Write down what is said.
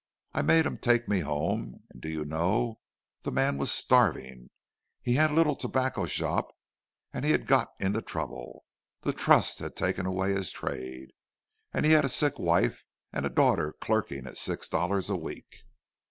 I made him take me home, and do you know, the man was starving! He had a little tobacco shop, and he'd got into trouble—the trust had taken away his trade. And he had a sick wife, and a daughter clerking at six dollars a week!"